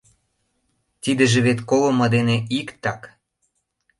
Тидыже вет колымо дене иктак.